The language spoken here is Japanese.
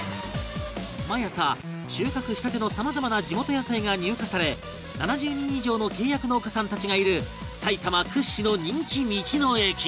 毎朝収穫したてのさまざまな地元野菜が入荷され７０人以上の契約農家さんたちがいる埼玉屈指の人気道の駅